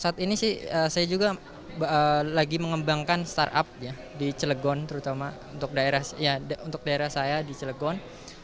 saat ini sih saya juga lagi mengembangkan startup di cilegon terutama untuk daerah saya di cilegon